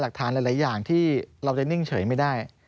หลักฐานหลายอย่างที่เราจะนิ่งเฉยไม่ได้